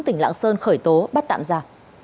tỉnh lạng sơn khởi tố bắt tạm ra